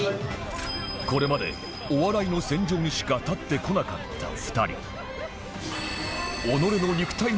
これまでお笑いの戦場にしか立ってこなかった２人